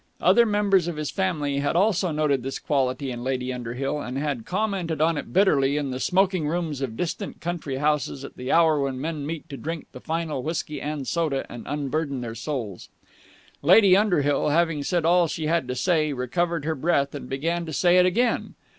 Other members of his family had also noted this quality in Lady Underhill, and had commented on it bitterly in the smoking rooms of distant country houses at the hour when men meet to drink the final whisky and soda and unburden their souls. Lady Underhill, having said all she had to say, recovered her breath and began to say it again.